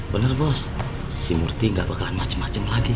bener bos si murty gak bakalan macem macem lagi